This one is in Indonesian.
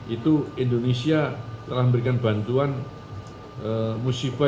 itu indonesia telah memberikan bantuan musibah